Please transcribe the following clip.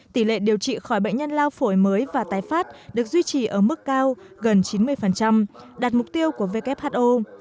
tỷ lệ điều trị khỏi bệnh nhân lao phổi mới và tái phát được duy trì ở mức cao gần chín mươi đạt mục tiêu của who